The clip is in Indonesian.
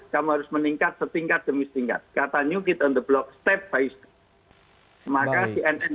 kamu harus meningkat setingkat demi setingkat katanya kita ngeblok step by step maka si nn